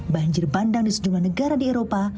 banjir bandang di sejumlah negara di eropa